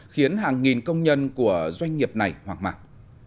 khiến hàng nghìn công nhân của doanh nghiệp này hoảng mạng